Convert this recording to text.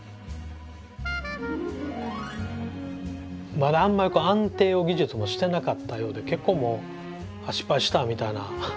まだあんまりこう安定を技術もしてなかったようで結構もう「あっ失敗した」みたいな。